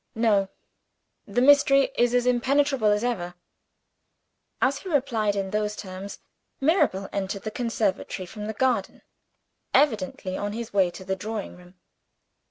"No. The mystery is as impenetrable as ever." As he replied in those terms, Mirabel entered the conservatory from the garden, evidently on his way to the drawing room.